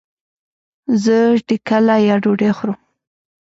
زه ټکله يا ډوډي خورم